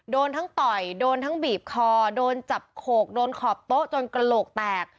โดนทั้งต่อยโดนทั้งบีบคอโดนจับโขกโดนขอบโต๊ะจนกระโหลกแตก